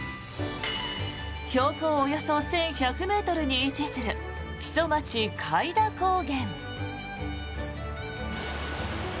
標高およそ１１００ｍに位置する木曽町開田高原。